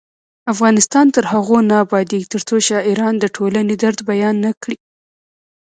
افغانستان تر هغو نه ابادیږي، ترڅو شاعران د ټولنې درد بیان نکړي.